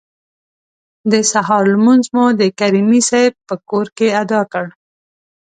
د سهار لمونځ مو د کریمي صیب په کور کې ادا کړ.